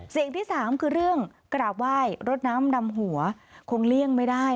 ที่สามคือเรื่องกราบไหว้รดน้ำดำหัวคงเลี่ยงไม่ได้